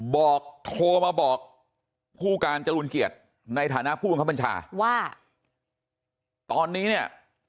บอกโทรมาบอกผู้การจรูลเกียรติในฐานะผู้บังคับบัญชาว่าตอนนี้เนี่ย